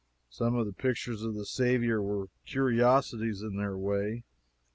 Some of the pictures of the Saviour were curiosities in their way.